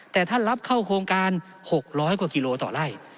แต่ท่านรับเข้าโครงการ๖๐๐กว่ากิโลต่อไล่